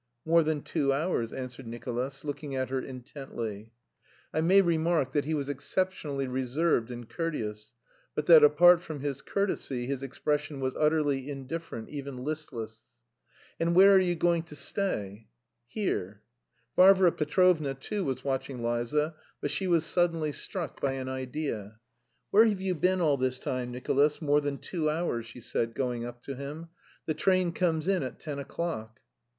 "More than two hours," answered Nicolas, looking at her intently. I may remark that he was exceptionally reserved and courteous, but that apart from his courtesy his expression was utterly indifferent, even listless. "And where are you going to stay?" "Here." Varvara Petrovna, too, was watching Liza, but she was suddenly struck by an idea. "Where have you been all this time, Nicolas, more than two hours?" she said, going up to him. "The train comes in at ten o'clock."